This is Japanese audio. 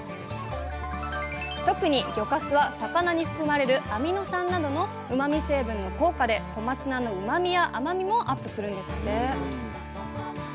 特に魚かすは魚に含まれるアミノ酸などのうまみ成分の効果で小松菜のうまみや甘みもアップするんですって！